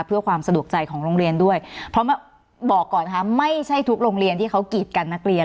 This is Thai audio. เพื่อความสะดวกใจของโรงเรียนด้วยเพราะบอกก่อนนะคะไม่ใช่ทุกโรงเรียนที่เขากีดกันนักเรียน